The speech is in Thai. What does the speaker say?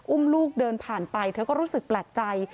อุ้มลูกเดินผ่านไปเธอก็รู้สึกแปลกใจ